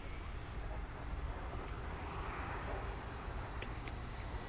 Espezialitatean sartzeko oinarrizko bi eredu daude.